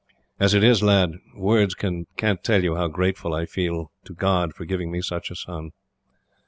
As it is, lad, words can't tell how grateful I feel, to God, for giving me such a son."